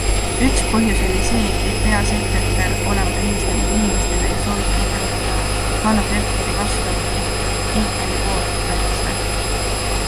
Üks põhjus oli see, et peasekretär olevat helistanud inimestele ja soovitanud hääletada Hanno Pevkuri vastu ehk Michali poolt, märkis ta.